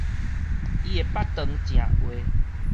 伊的腹腸誠狹